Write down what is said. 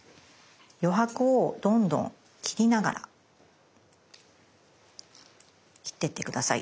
余白をどんどん切りながら切ってって下さい。